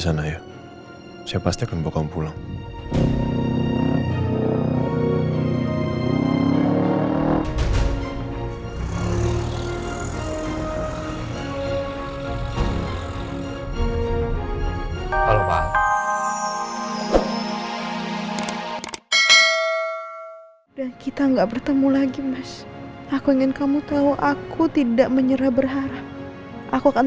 saya akan jemput kamu nin